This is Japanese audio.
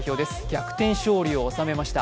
逆転勝利を収めました。